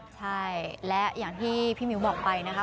ใช่และอย่างที่พี่มิ้วบอกไปนะคะ